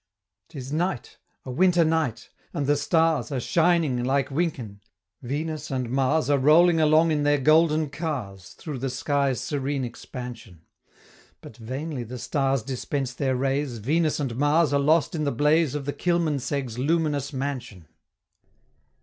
'Tis night a winter night and the stars Are shining like winkin' Venus and Mars Are rolling along in their golden cars Through the sky's serene expansion But vainly the stars dispense their rays, Venus and Mars are lost in the blaze Of the Kilmanseggs' luminous mansion!